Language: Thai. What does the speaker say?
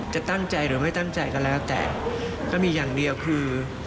จะตั้งใจหรือไม่ตั้งใจก็แล้วแต่ก็มีอย่างเดียวคือ